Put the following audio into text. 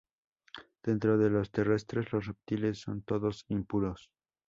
Dentro de los terrestres, los reptiles son todos impuros.